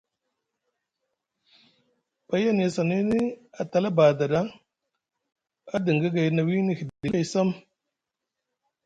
Pay a nyasi anye a tala bada ɗa a dinga gay na wii hiɗil kay sam.